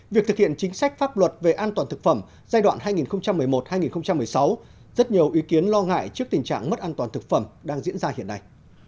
việc thực hiện chính sách pháp luật về an toàn thực phẩm giai đoạn hai nghìn một mươi một hai nghìn một mươi sáu rất nhiều ý kiến lo ngại trước tình trạng mất an toàn thực phẩm đang diễn ra hiện nay